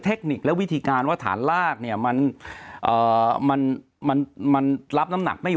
เทคนิคและวิธีการว่าฐานลากเนี่ยมันมันรับน้ำหนักไม่